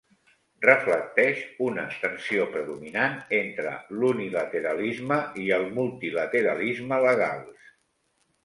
Reflecteix una tensió predominant entre l'unilateralisme i el multilateralisme legals.